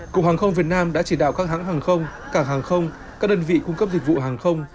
cục hàng không việt nam đã chỉ đạo các hãng hàng không cảng hàng không các đơn vị cung cấp dịch vụ hàng không